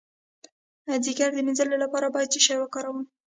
د ځیګر د مینځلو لپاره باید څه شی وکاروم؟